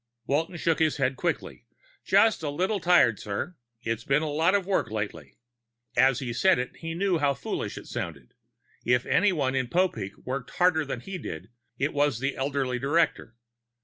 Walton shook his head quickly. "Just a little tired, sir. There's been a lot of work lately." As he said it, he knew how foolish it sounded. If anyone in Popeek worked harder than he did, it was the elderly director.